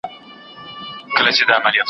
په هغه دم به مي تا ته وي راوړی